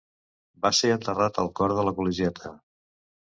Va ser enterrat al cor de la col·legiata.